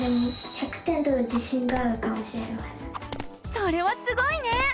それはすごいね！